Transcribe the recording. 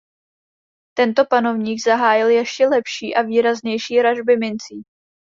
Tento panovník zahájil ještě lepší a výraznější ražby mincí.